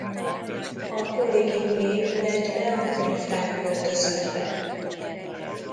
A kollégiumi épületbe a könyvtár költözött be.